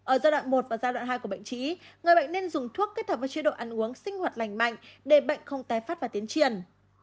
ở giai đoạn một và giai đoạn hai của bệnh chí người bệnh nên dùng thuốc kết hợp với chế độ ăn uống sinh hoạt lành mạnh để bệnh không tái phát và tiến triển